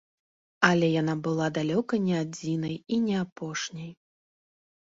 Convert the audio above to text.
Але яна была далёка не адзінай і не апошняй.